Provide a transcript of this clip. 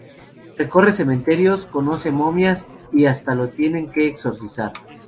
Recorre cementerios, conoce momias y hasta lo tienen que exorcizar.